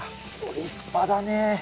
立派だね。